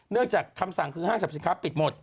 จากคำสั่งคือห้างสรรพสินค้าปิดหมด